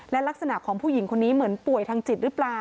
และลักษณะของผู้หญิงคนนี้เหมือนป่วยทางจิตหรือเปล่า